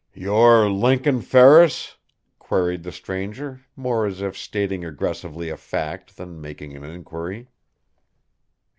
"You're Lincoln Ferris?" queried the stranger, more as if stating aggressively a fact than making an inquiry.